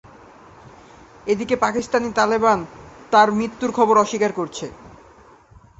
এদিকে পাকিস্তানি তালেবান তার মৃত্যুর খবর অস্বীকার করেছে।